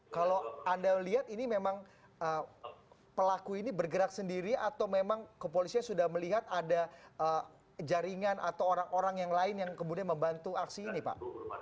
kalau anda lihat ini memang pelaku ini bergerak sendiri atau memang kepolisian sudah melihat ada jaringan atau orang orang yang lain yang kemudian membantu aksi ini pak